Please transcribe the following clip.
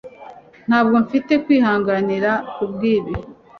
Ntabwo nfite kwihangana kubwibi